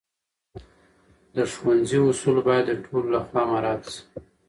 د ښوونځي اصول باید د ټولو لخوا مراعت سي.